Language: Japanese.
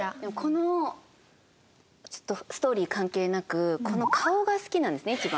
このちょっとストーリー関係なくこの顔が好きなんですね一番。